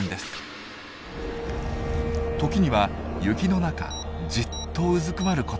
時には雪の中じっとうずくまることも。